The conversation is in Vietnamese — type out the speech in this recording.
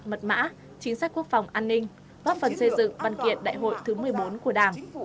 mật mã chính sách quốc phòng an ninh góp phần xây dựng văn kiện đại hội thứ một mươi bốn của đảng